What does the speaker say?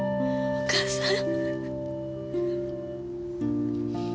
お母さん。